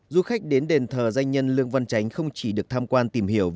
du khách đến đền thờ danh nhân lương văn chánh không chỉ được tham quan tìm hiểu